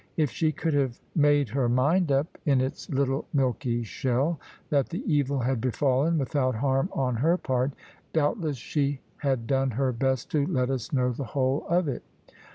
If she could have made her mind up, in its little milky shell, that the evil had befallen, without harm on her part, doubtless she had done her best to let us know the whole of it.